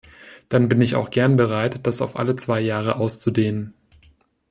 Dann bin ich auch gern bereit, das auf alle zwei Jahre auszudehnen.